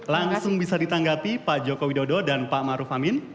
langsung bisa ditanggapi pak joko widodo dan pak maruf amin